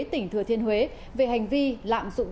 tỉnh thừa thiên huế về hành vi lạm dụng